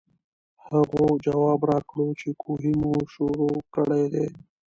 هغو جواب راکړو چې کوهے مو شورو کړے دے ـ